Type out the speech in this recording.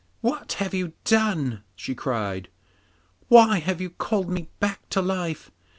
'What have you done?' she cried. 'Why have you called me back to life?